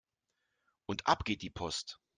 Und ab geht die Post!